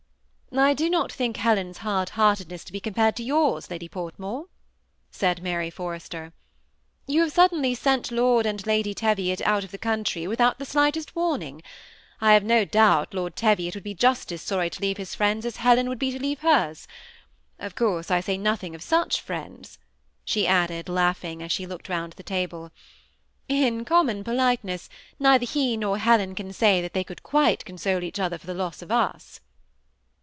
<' I do not think Helen's hard beartedness to be com pared to yours. Lady Portmore,*' said Mary Forrester. ^ You have suddenly sent Lord and Lady Teviot out of the country, without the slightest warning. I have no doubt Lord Teviot would be just as sorry to leave his friends as Helen would be to leave hers. Of course I say nothing of stich friends !" she added, laughing, as she looked round the table. ''In common politeness, neither he nor Helen can say that they could quite console each other for the loss of us."